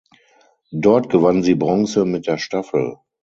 Dort gewann sie Bronze mit der Staffel.